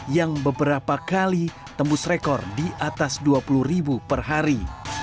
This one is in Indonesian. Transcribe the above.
yang beberapa kali tembus rekor di atas dua puluh ribu per hari